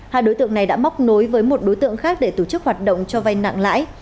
hai đối tượng này đã móc nối với một đối tượng khác để tổ chức hoạt động cho vay nặng lãi